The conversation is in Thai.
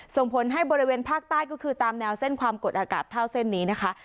ส่งผลให้บริเวณภาคใต้ก็คือตามแนวเส้นความกดอากาศเท่าเส้นนี้นะคะ